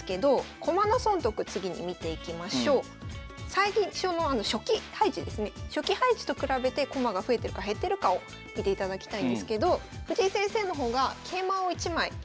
最初の初期配置ですね初期配置と比べて駒が増えてるか減ってるかを見ていただきたいんですけど藤井先生の方が桂馬を１枚多く持ってます。